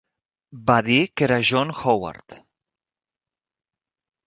Va dir que era John Howard.